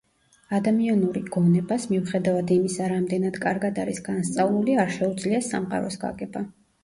ადამიანური გონებას, მიუხედავად იმისა, რამდენად კარგად არის განსწავლული, არ შეუძლია სამყაროს გაგება.